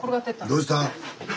どうした？